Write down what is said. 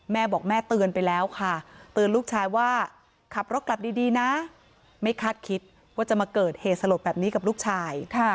แม่บอกแม่เตือนไปแล้วค่ะเตือนลูกชายว่าขับรถกลับดีนะไม่คาดคิดว่าจะมาเกิดเหตุสลดแบบนี้กับลูกชาย